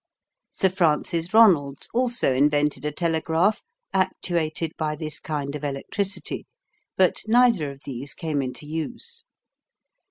Sir Francis Ronalds also invented a telegraph actuated by this kind of electricity, but neither of these came into use.